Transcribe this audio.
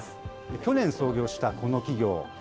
去年創業したこの企業。